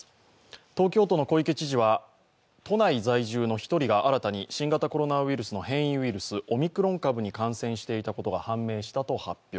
東京都の小池知事は、都内在住の１人が新たに新型コロナウイルスの変異ウイルス、オミクロン株に感染していたことが判明したと発表。